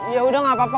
yaudah gak apa apa